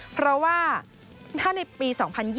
เพราะว่าถ้าในปี๒๐๒๐